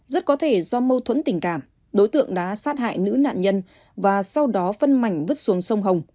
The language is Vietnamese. rất có thể do mâu thuẫn tình cảm đối tượng đã sát hại nữ nạn nhân và sau đó phân mảnh vứt xuống sông hồng